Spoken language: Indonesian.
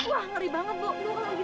wah ngeri banget bu